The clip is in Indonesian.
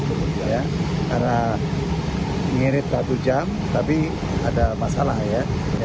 karena mirip satu jam tapi ada masalah ya